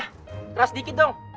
keras dikit dong